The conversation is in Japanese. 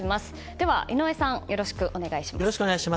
では井上さんよろしくお願いします。